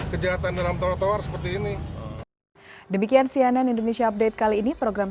kejahatan dalam trotoar seperti ini demikian cnn indonesia update kali ini program